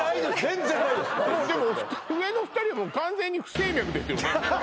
全然大丈夫ですでも上の２人はもう完全に不整脈ですよね